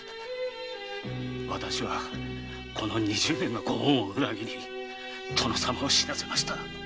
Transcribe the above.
私はこの二十年のご恩を裏切り殿様を死なせました。